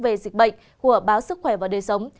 về dịch bệnh của báo sức khỏe và đời sống